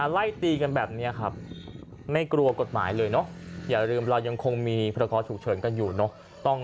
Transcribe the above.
ไล่ตีกันแบบนี้ครับไม่กลัวกฎหมายเลยเนอะอย่าลืมเรายังคงมีพรกรฉุกเฉินกันอยู่เนอะ